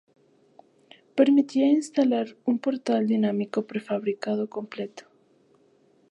Permitía instalar un portal dinámico prefabricado completo.